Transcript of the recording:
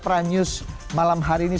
prime news malam hari ini